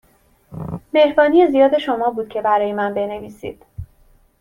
مهربانی زیاد شما بود که برای من بنویسید.